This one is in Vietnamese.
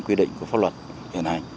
quy định của pháp luật hiện hành